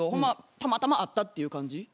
たまたま会ったっていう感じ。